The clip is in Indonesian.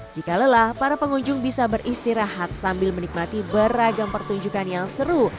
jika lelah para pengunjung bisa beristirahat sambil menikmati beragam pertunjukan yang seru